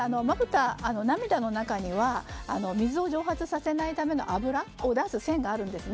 涙の中には水を蒸発させないための脂を出す腺があるんです。